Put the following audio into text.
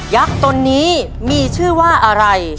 ักษ์ตนนี้มีชื่อว่าอะไร